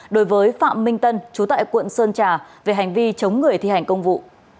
đối với phạm minh tân chú tại quận sơn trà về hành vi chống người thi hành công vụ